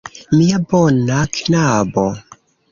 Mia bona "knabo"!